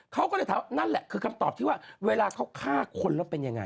เขาก็เลยถามนั่นแหละคือคำตอบที่ว่าเวลาเขาฆ่าคนแล้วเป็นยังไง